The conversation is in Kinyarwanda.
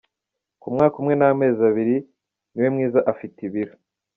Ku mwaka umwe n’amezi abiri, Niwemwiza afite ibiro